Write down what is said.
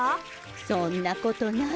そんなことない。